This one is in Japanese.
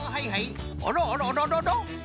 あらあらあらあらあら？